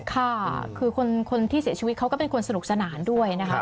ค่ะคือคนที่เสียชีวิตเขาก็เป็นคนสนุกสนานด้วยนะคะ